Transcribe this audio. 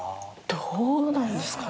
どうなんですかね。